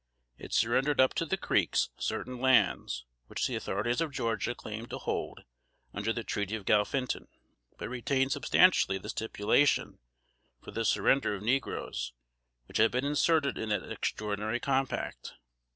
It surrendered up to the Creeks certain lands, which the authorities of Georgia claimed to hold under the treaty of Galphinton, but retained substantially the stipulation for the surrender of negroes, which had been inserted in that extraordinary compact.